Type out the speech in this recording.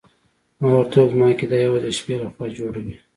ما ورته وویل زما عقیده یوازې د شپې لخوا جوړه وي.